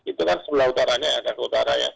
itu kan sebelah utaranya ada ke utaranya